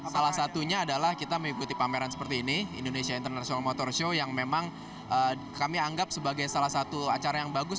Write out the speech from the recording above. salah satunya adalah kita mengikuti pameran seperti ini indonesia international motor show yang memang kami anggap sebagai salah satu acara yang bagus